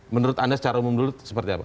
menurut anda secara umum dulu seperti apa